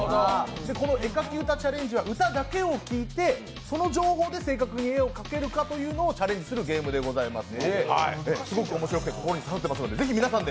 絵描き歌チャレンジは歌だけを聴いてその情報だけで正確に絵を描けるかをチャレンジするゲームです。